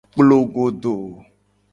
Kplogodo.